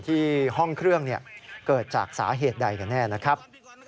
ที่ห้องเครื่องเกิดจากสาเหตุใดกันแน่นะครับ